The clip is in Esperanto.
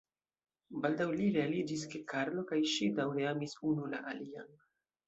Baldaŭ li realiĝis ke Karlo kaj ŝi daŭre amis unu la alian.